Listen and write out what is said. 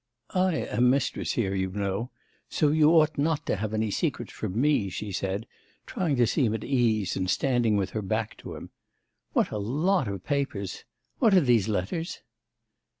'I am mistress here, you know, so you ought not to have any secrets from me,' she said, trying to seem at ease, and standing with her back to him. 'What a lot of papers! what are these letters?